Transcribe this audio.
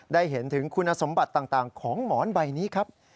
ได้เห็นถึงคุณสมบัติต่างของหมอนใบนี้ครับ